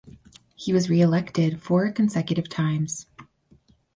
He was reelected four consecutive times.